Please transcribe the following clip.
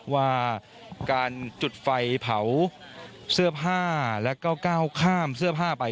ว่าการจุดไฟเผาเสื้อผ้าแล้วก็ก้าวข้ามเสื้อผ้าไป